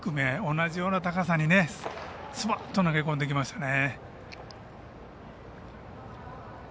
同じような高さにすぱっと投げ込んでいきましたね。